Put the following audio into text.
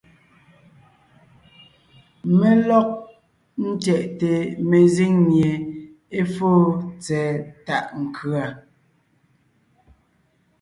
Mé lɔg ńtyɛʼte mezíŋ mie é fóo tsɛ̀ɛ tàʼ nkʉ̀a.